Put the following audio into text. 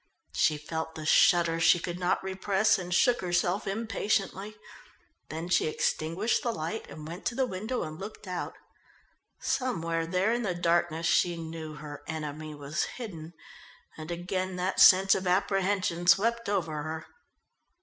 She felt the shudder she could not repress and shook herself impatiently. Then she extinguished the light and went to the window and looked out. Somewhere there in the darkness she knew her enemy was hidden, and again that sense of apprehension swept over her.